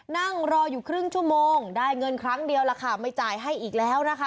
นั่งรออยู่ครึ่งชั่วโมงได้เงินครั้งเดียวล่ะค่ะไม่จ่ายให้อีกแล้วนะคะ